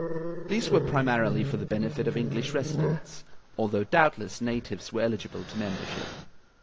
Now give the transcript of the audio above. These were primarily for the benefit of English residents, although doubt less natives were eligible to membership.